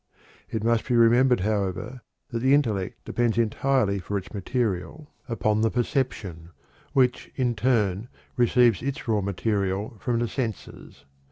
It must be remembered, however, that the intellect depends entirely for its material upon the perception, which in turn receives its raw material from the senses.